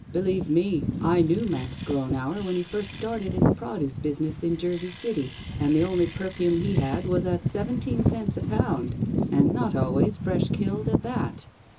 Believe me, I knew Max Gronauer when he first started in the produce business in Jersey City and the only perfume he had was at seventeen cents a potmd and not always fresh killed at that.